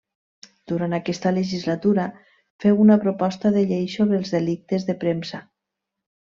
Durant aquesta legislatura, feu una proposta de llei sobre els delictes de premsa.